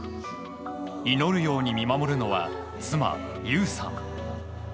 祈るように見守るのは妻・優さん。